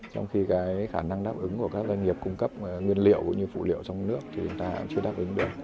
trong khi cái khả năng đáp ứng của các doanh nghiệp cung cấp nguyên liệu cũng như phụ liệu trong nước thì chúng ta cũng chưa đáp ứng được